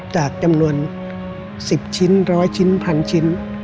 จากจำนวน๑๐ชิ้นร้อยชิ้นพันชิ้น